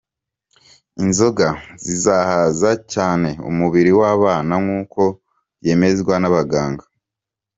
Inzoga zizahaza cyane umubiri w’abana nk’uko byemezwa n’abaganga.